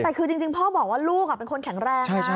แต่คือจริงพ่อบอกว่าลูกเป็นคนแข็งแรง